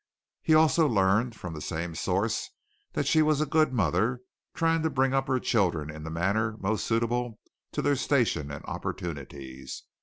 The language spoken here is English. He also learned from the same source that she was a good mother, trying to bring up her children in the manner most suitable to their station and opportunities.